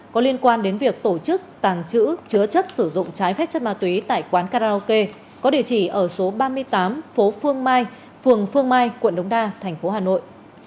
có liên quan đến việc tổ chức tàng trữ chứa chất sử dụng trái phép chất ma túy tại quán karaoke có địa chỉ ở số ba mươi tám phố phương mai phường phương mai quận đống đa thành phố hà nội